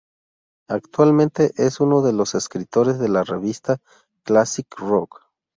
Actualmente es uno de los escritores de la revista "Classic Rock".